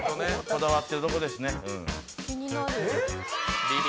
こだわってるところですね。